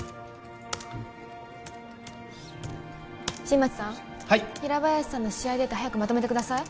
新町さんはい平林さんの試合データ早くまとめてください